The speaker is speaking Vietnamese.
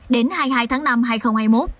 đến hai mươi hai tháng năm hai nghìn hai mươi một